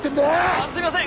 あすいません！